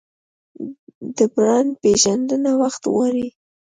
د برانډ پیژندنه وخت غواړي.